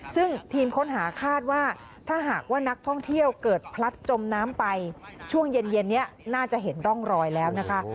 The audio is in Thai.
ซึ่งทีมค้นหาคาดว่าถ้าหากว่านักท่องเที่ยวเกิดพลัดจมน้ำไปช่วงเย็นนี้น่าจะเห็นร่องรอยแล้วนะคะ